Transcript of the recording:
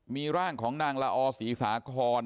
มีร่างของนางละอศรีสาคอน